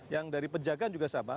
yang dari penjagaan juga sama